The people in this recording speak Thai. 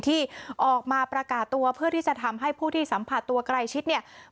ที่ออกมาประกาศตัวเพื่อที่จะทำให้ผู้ที่สัมผัสตัวใกล้ชิดเนี่ย